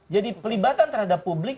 jadi pelibatan terhadap publik